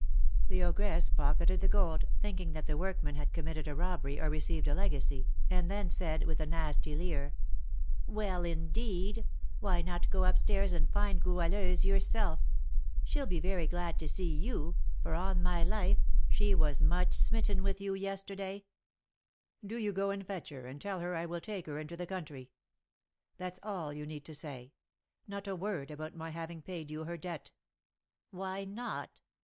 The ogress pocketed the gold, thinking that the workman had committed a robbery, or received a legacy, and then said, with a nasty leer, "Well, indeed! Why not go up stairs, and find Goualeuse yourself; she'll be very glad to see you, for, on my life, she was much smitten with you yesterday?" "Do you go and fetch her, and tell her I will take her into the country; that's all you need say; not a word about my having paid you her debt." "Why not?"